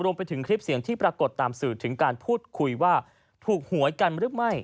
ไปถึงคลิปเสียงที่ปรากฏตามสื่อถึงการพูดคุยว่าถูกหวยกันหรือไม่